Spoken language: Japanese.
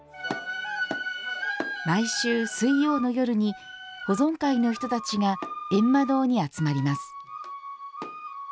毎週水曜の夜に保存会の人たちがゑんま堂に集まります。